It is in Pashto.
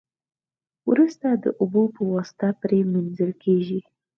وروسته د اوبو په واسطه پری مینځل کیږي.